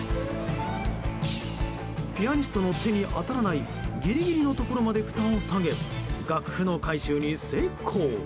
ピアニストの手に当たらないギリギリのところまでふたを下げ楽譜の回収に成功！